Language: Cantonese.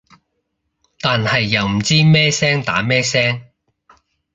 但係又唔知咩聲打咩聲